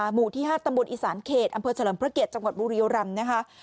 หมู่ที่๕ตำบลอีสานเขตอำเภอเฉลิมพระเกียรติจังหวัดบุรียรำนะคะ